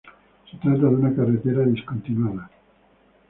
Se trata de una carretera discontinuada.